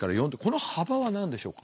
この幅は何でしょうか？